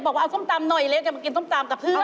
บอกว่าเอาส้มตำหน่อยเล็กกันมากินส้มตำแต่เพื่อน